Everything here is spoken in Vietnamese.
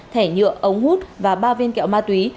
thẻ nhựa ống hút và ba viên kẹo ma túy